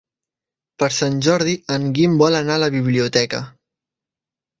Per Sant Jordi en Guim vol anar a la biblioteca.